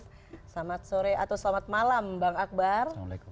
selamat sore atau selamat malam bang akbar